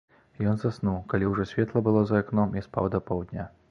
Ён заснуў, калі ўжо светла было за акном, і спаў да паўдня.